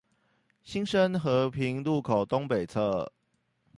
新生和平路口東北側